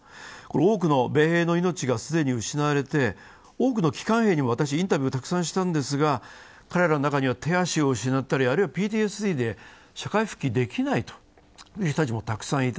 多くの米兵の命が既に失われて、多くの帰還兵に私もインタビューをたくさんしたんですが、彼らの中には手足を失ったりあるいはＰＴＳＤで社会復帰ができない人たちもたくさんいた。